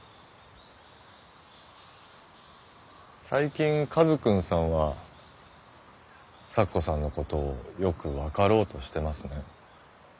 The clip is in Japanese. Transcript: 最近カズくんさんは咲子さんのことをよく分かろうとしてますね。